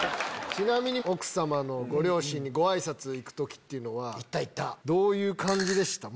ちなみに奥様のご両親にごあいさつ行く時っていうのはどういう感じでした？